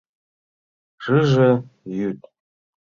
Шыже йӱд...